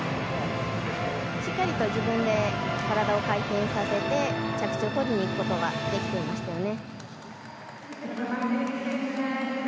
しっかりと体を回転させて着地をとりにいくことができていましたよね。